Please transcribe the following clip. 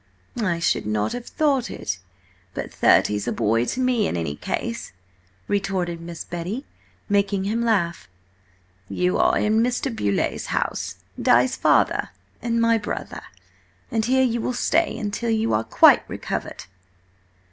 "I should not have thought it, but thirty's a boy to me, in any case!" retorted Miss Betty, making him laugh. "You are in Mr. Beauleigh's house–Di's father, and my brother. And here you will stay until you are quite recovered!"